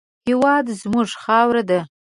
هېواد زموږ خاوره ده